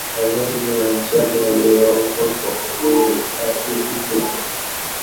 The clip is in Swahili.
malengo na maswali yaliyoongoza utafiti huu